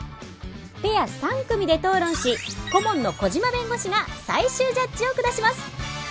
ペア３組で討論し顧問の小島弁護士が最終ジャッジを下します